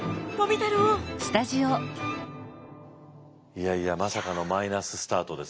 いやいやまさかのマイナススタートですよ。